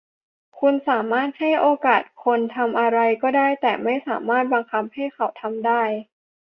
คุณสามารถให้โอกาสคนทำอะไรก็ได้ แต่ไม่สามารถบังคับให้เขาทำได้